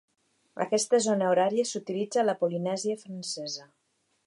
Aquesta zona horària s'utilitza a la Polinèsia Francesa.